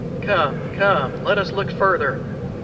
Come, come, let us look further.